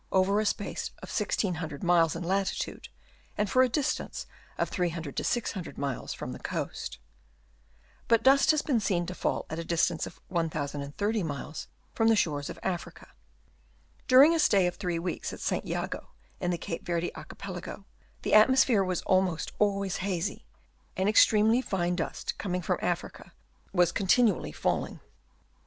237 space of 1600 miles in latitude, and for a distance of from 300 to 600 miles from the coast. But dust has been seen to fall at a distance of 1030 miles from the shores of Africa. During a stay of three weeks at St. Jago in the Cape Yerde Archipelago, the atmosphere was almost always hazy, and ex tremely fine dust coming from Africa was con tinually falling.